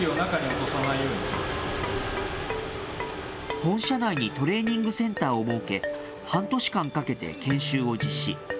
本社内にトレーニングセンターを設け、半年間かけて研修を実施。